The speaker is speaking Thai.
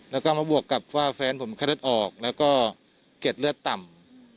แล้วก็มาบวกกับว่าแฟนผมแค่เลือดออกแล้วก็เกร็ดเลือดต่ำ